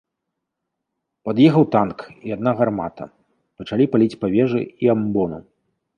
Пад'ехаў танк і адна гармата, пачалі паліць па вежы і амбону.